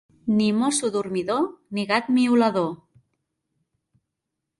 Ni mosso dormidor, ni gat miolador.